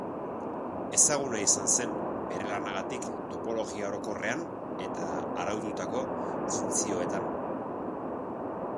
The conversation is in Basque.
Ezaguna izan zen bere lanagatik topologia orokorrean eta araututako funtzioetan.